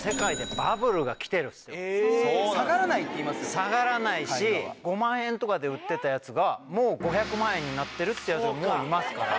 下がらないし５万円とかで売ってたやつがもう５００万円になってるってやつがもういますから。